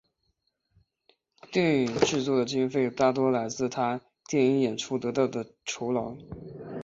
电影制作的经费大多来自他电影演出得到的酬劳。